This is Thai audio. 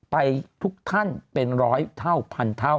ไปทุกท่านเป็นร้อยเท่าพันเท่า